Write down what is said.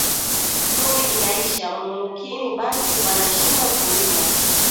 Pori ina isha mu mukini bantu bana shinda ku rima